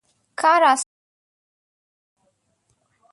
• کار آسانه شو.